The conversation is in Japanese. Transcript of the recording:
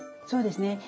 そうですね。